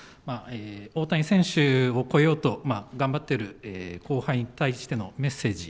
大谷選手を超えようと頑張っている後輩に対してのメッセージ。